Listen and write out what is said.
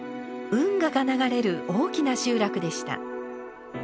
運河が流れる大きな集落でした。